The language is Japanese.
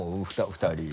２人。